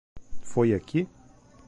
Foi aqui?